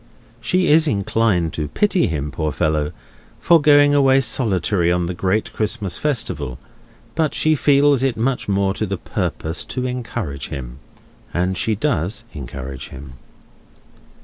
She is inclined to pity him, poor fellow, for going away solitary on the great Christmas festival; but she feels it much more to the purpose to encourage him. And she does encourage him.